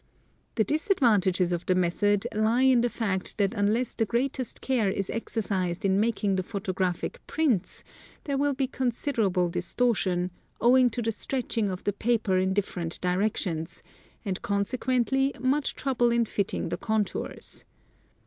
The disadvantages of the method lie in the fact that unless the great est care is exercised in making the photographic prints there will be considerable distortion, owing to the stretching of the paper in different directions, and consequently much trouble in fitting the contours.